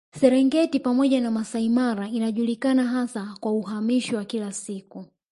Serengeti pamoja na Masai Mara inajulikana hasa kwa uhamisho wa kila siku